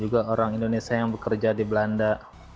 juga orang indonesia yang bekerja di belanda